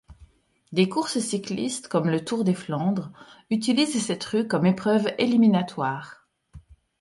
Des courses cyclistes comme le Tour des Flandres utilisent cette rue comme épreuve éliminatoire.